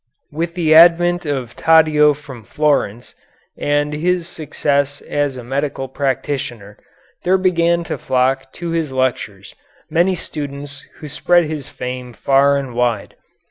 With the advent of Taddeo from Florence, and his success as a medical practitioner, there began to flock to his lectures many students who spread his fame far and wide.